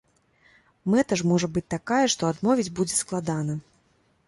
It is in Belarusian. Мэта ж можа быць такая, што адмовіць будзе складана!